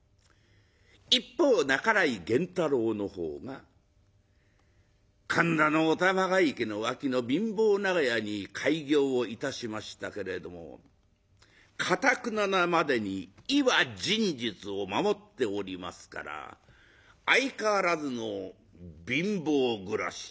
一方半井源太郎のほうが神田のお玉が池の脇の貧乏長屋に開業をいたしましたけれどもかたくななまでに「医は仁術」を守っておりますから相変わらずの貧乏暮らし。